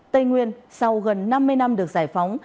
tây nguyên sau gần năm mươi năm được giải phóng